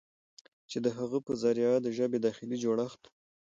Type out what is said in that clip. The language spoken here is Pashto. چې د هغه په ذريعه د ژبې داخلي جوړښت